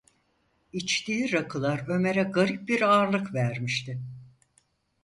İçtiği rakılar Ömer’e garip bir ağırlık vermişti.